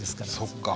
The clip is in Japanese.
そっか。